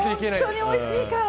本当においしいから。